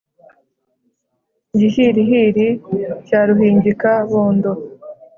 Gihirihiri cya ruhingika-bondo,